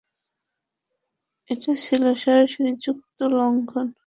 এটা ছিল সরাসরি চুক্তি লঙ্ঘন।